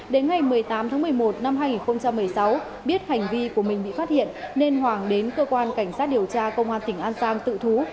đến ngày một mươi tám tháng một mươi một năm hai nghìn một mươi sáu biết hành vi của mình bị phát hiện nên hoàng đến cơ quan cảnh sát điều tra công an tỉnh an giang tự thú